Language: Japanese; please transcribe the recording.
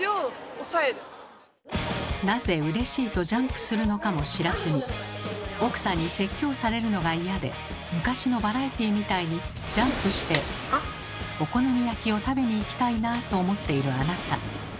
なぜうれしいとジャンプするのかも知らずに奥さんに説教されるのが嫌で昔のバラエティーみたいにジャンプしてお好み焼きを食べに行きたいなと思っているあなた。